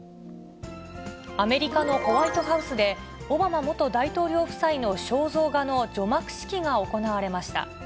アメリカのホワイトハウスで、オバマ元大統領夫妻の肖像画の除幕式が行われました。